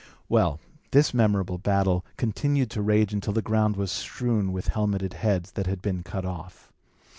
Well, this memorable battle continued to rage until the ground was strewn with helmeted heads that had been cut off.